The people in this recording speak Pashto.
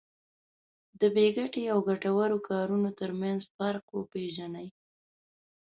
د بې ګټې او ګټورو کارونو ترمنځ فرق وپېژني.